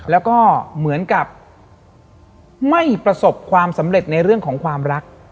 แล้วก็เหมือนกับไม่ประสบความสำเร็จในเรื่องของความรัก